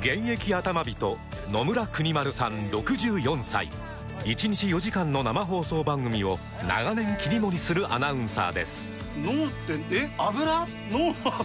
現役アタマ人野村邦丸さん６４歳１日４時間の生放送番組を長年切り盛りするアナウンサーです